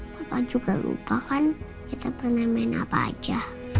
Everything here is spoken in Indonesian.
papa juga lupa kan kita pernah main apa aja